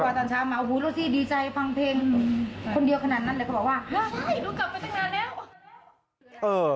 แล้วก็หลับไปเลย